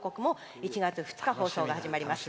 １月２日、放送が始まります。